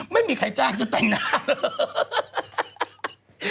ไม่มีใครจ้างจะแต่งหน้า